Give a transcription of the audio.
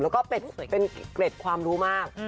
แล้วก็เป็นเกร็ดความรู้มาก